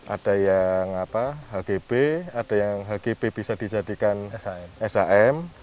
ada yang hgb ada yang hgb bisa dijadikan shm